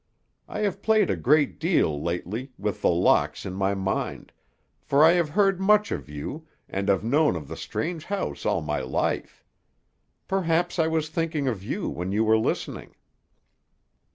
I have played a great deal, lately, with The Locks in my mind, for I have heard much of you, and have known of the strange house all my life. Perhaps I was thinking of you when you were listening."